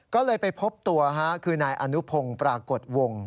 ก็เลยไปพบตัวคือนายอนุพงศ์ปรากฏวง